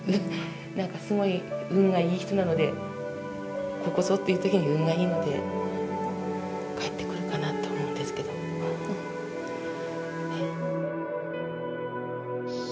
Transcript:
なんかすごく運がいい人なのでここぞっていうときに運がいいので帰ってくるかなって思うんですけどねっ。